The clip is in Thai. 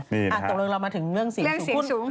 ตกลงเรามาถึงเรื่องเสียงสูง